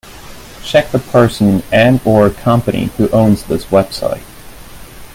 Check the person and/or company who owns this website.